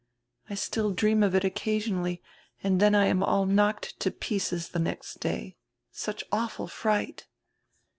I still dream of it occasionally and then I am all knocked to pieces die next day. Such awful fright."